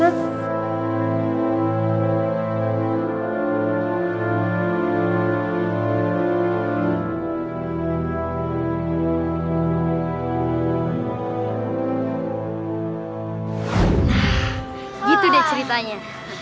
nah gitu deh ceritanya